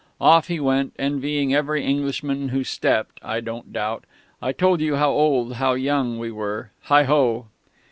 Off he went, envying every Englishman who stepped, I don't doubt.... I told you how old how young we were.... Heigho!...